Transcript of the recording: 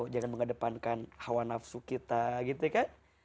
jangan mengedepankan hawa nafsu kita gitu kan